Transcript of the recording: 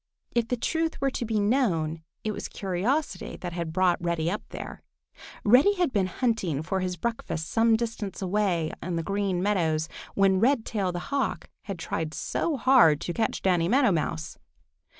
If the truth were to be known, it was curiosity that had brought Reddy up there. Reddy had been hunting for his breakfast some distance away on the Green Meadows when Redtail the Hawk had tried so hard to catch Danny Meadow Mouse.